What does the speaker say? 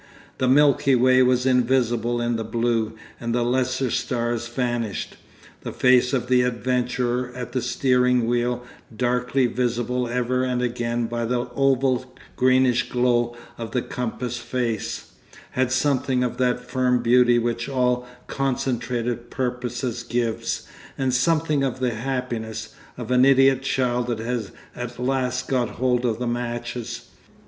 The Milky Way was invisible in the blue, and the lesser stars vanished. The face of the adventurer at the steering wheel, darkly visible ever and again by the oval greenish glow of the compass face, had something of that firm beauty which all concentrated purpose gives, and something of the happiness of an idiot child that has at last got hold of the matches.